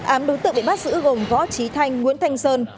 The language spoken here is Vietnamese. tám đối tượng bị bắt giữ gồm võ trí thanh nguyễn thanh sơn